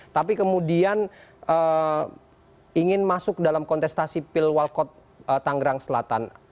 tapi kemudian ingin masuk dalam kontestasi pilwalkot tanggerang selatan